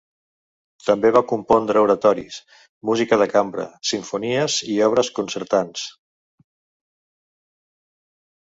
També va compondre oratoris, música de cambra, simfonies i obres concertants.